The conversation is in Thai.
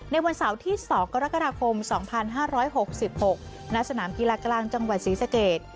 วันเสาร์ที่๒กรกฎาคม๒๕๖๖ณสนามกีฬากลางจังหวัดศรีสเกต